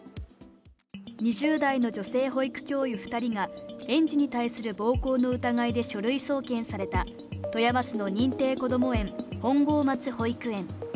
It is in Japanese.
２０代の女性保育教諭２人が園児に対する暴行の疑いで書類送検された富山市の認定こども園、本郷町保育園。